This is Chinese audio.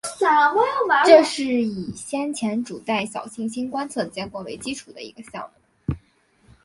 这是以先前主带小行星观测结果为基础的一个项目。